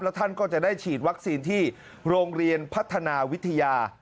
ท่านก็จะได้ฉีดวัคซีนที่โรงเรียนพัฒนาวิทยา